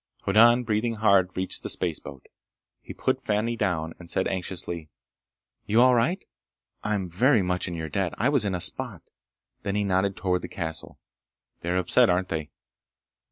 Hoddan, breathing hard, reached the spaceboat. He put Fani down and said anxiously: "You're all right? I'm very much in your debt! I was in a spot!" Then he nodded toward the castle. "They are upset, aren't they?